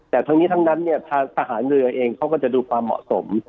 แต่ทั้งนี้ทั้งนั้นเนี่ยทางทหารเรือเองเขาก็จะดูความเหมาะสม